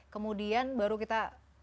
kemudian baru kita